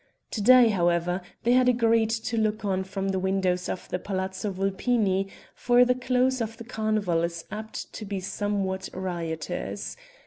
To day, however, they had agreed to look on from the windows of the Palazzo Vulpini, for the close of the carnival is apt to be somewhat riotous.